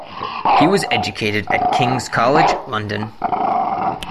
He was educated at King's College London.